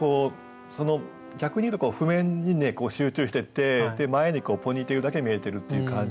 逆に言うと譜面に集中してて前にこうポニーテールだけ見えてるっていう感じでね